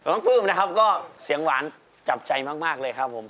แล้วก็ประสิทธิ์ในการร้องเพิ่มอีกนิดหนึ่ง